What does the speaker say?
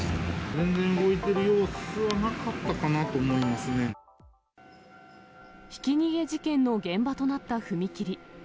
全然動いてる様子はなかったかなひき逃げ事件の現場となった